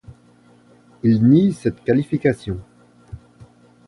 Il nie cette qualification.